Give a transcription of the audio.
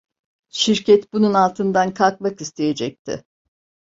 Şirket, bunun altından kalkmak isteyecekti.